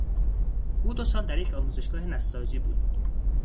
او دو سال در یک آموزشگاه نساجی بود.